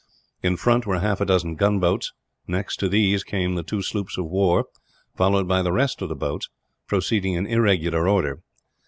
In front were half a dozen gunboats; next to these came the two sloops of war; followed by the rest of the boats, proceeding in irregular order.